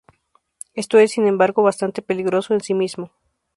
Esto es sin embargo bastante peligroso en sí mismo.